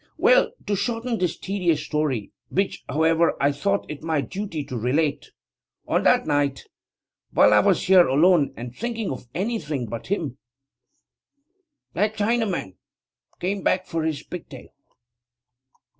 Well, to shorten this tedious story which, however, I thought it my duty to relate on that night, while I was here alone and thinking of anything but him, that Chinaman came back for his pigtail.